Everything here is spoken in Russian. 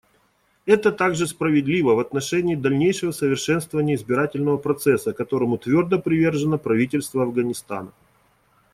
Это также справедливо в отношении дальнейшего совершенствования избирательного процесса, которому твердо привержено правительство Афганистана.